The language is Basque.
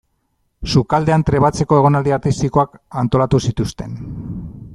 Sukaldean trebatzeko egonaldi artistikoak antolatu zituzten.